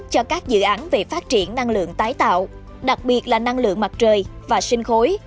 cho các dự án về phát triển năng lượng tái tạo đặc biệt là năng lượng mặt trời và sinh khối